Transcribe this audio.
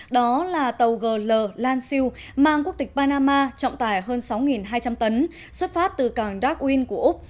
đó là tàu gl lan siu mang quốc tịch panama trọng tải hơn sáu hai trăm linh tấn xuất phát từ càng darkwing của úc